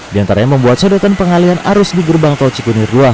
di antaranya membuat sodetan pengalian arus di gerbang tol cikunir dua